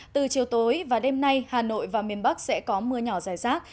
từ chiều tối và đêm nay hà nội và miền bắc sẽ có mưa nhỏ dài rác